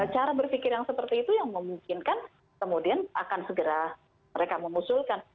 cara berpikir yang seperti itu yang memungkinkan kemudian akan segera mereka mengusulkan